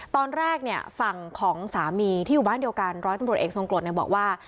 ตอนแรกเนี่ยฝั่งของสามีที่อยู่บ้านเดียวกันร้อยตำรวจเอกทรงกรดเนี่ยบอกว่า